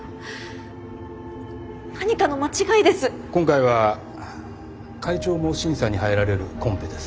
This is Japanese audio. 今回は会長も審査に入られるコンペです。